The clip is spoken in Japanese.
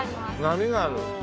波がある。